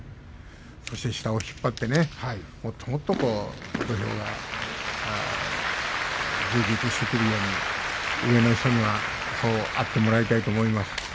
そして下を引っ張ってもっともっと土俵が充実してくれるように上の人にはそうあってもらいたいと思います。